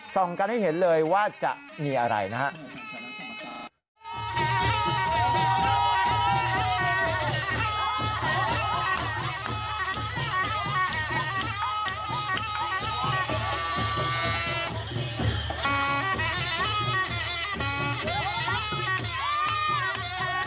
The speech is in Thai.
ส่งกันให้เห็นเลยว่าจะมีอะไรนะครับ